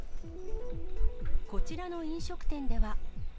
こちらの飲食店では。